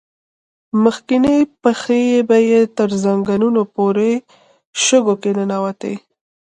مخکينۍ پښې به يې تر زنګنو په شګو کې ننوتې.